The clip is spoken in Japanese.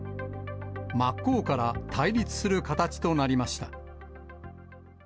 真っ向から対立する形となりました。